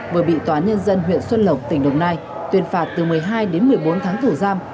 vừa bị tòa nhân dân huyện xuân lộc tỉnh đồng nai tuyên phạt từ một mươi hai đến một mươi bốn tháng thủ giam